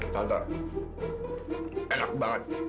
tante enak banget